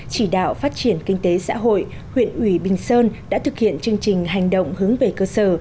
chỉ đạo phát triển kinh tế xã hội huyện ủy bình sơn đã thực hiện chương trình hành động hướng về cơ sở